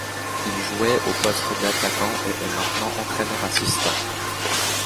Il jouait au poste d'attaquant et est maintenant entraîneur-assistant.